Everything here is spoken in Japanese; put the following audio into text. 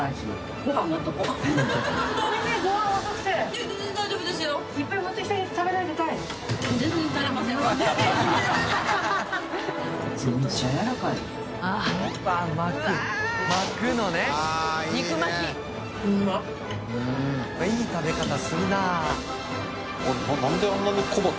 うわっいい食べ方するな。